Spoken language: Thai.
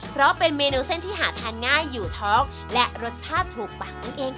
เพราะเป็นเมนูเส้นที่หาทานง่ายอยู่ท้องและรสชาติถูกปากนั่นเองค่ะ